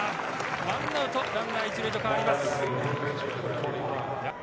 １アウトランナー１塁と変わります。